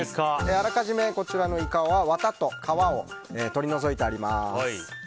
あらかじめこちらのイカはワタと皮を取り除いてあります。